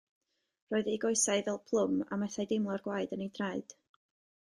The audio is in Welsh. Roedd ei goesau fel plwm a methai deimlo'r gwaed yn ei draed.